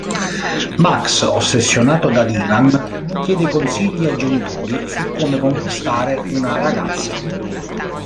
Max, ossessionato da Dylan, chiede consigli ai genitori su come conquistare una ragazza.